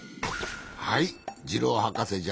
はいジローはかせじゃ。